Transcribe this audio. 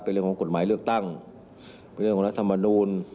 เป็นเรื่องของกฎหมายเลือกตั้งเป็นเรื่องของรัฐมนูล